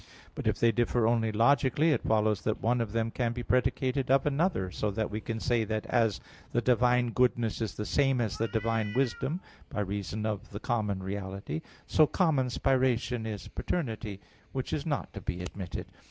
But if they differ only logically, it follows that one of them can be predicated of another, so that we can say that as the divine goodness is the same as the divine wisdom by reason of the common reality, so common spiration is paternity; which is not to be admitted.